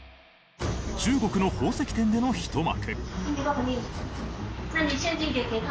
中国の宝石店でのひと幕。